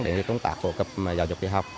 đến công tác phổ cập giáo dục tiểu học